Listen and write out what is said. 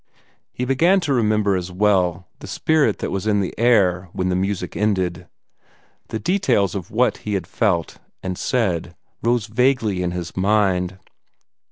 He began to remember as well the spirit that was in the air when the music ended. The details of what he had felt and said rose vaguely in his mind.